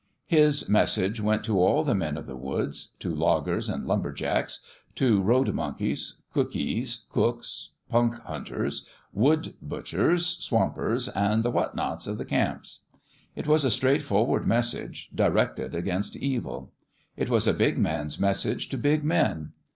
His message went to all the men of the woods to loggers and lum ber jacks : to road monkeys, cookees, cooks, punk hunters, wood butchers, swampers and the what nots of the camps. It was a straightfor ward message directed against evil. It was a big man's message to big men.